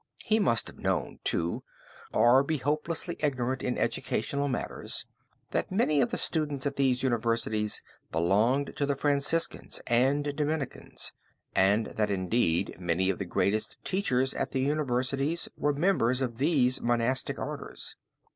He must have known, too, or be hopelessly ignorant in educational matters, that many of the students at these universities belonged to the Franciscans and Dominicans, and that indeed many of the greatest teachers at the universities were members of these monastic orders.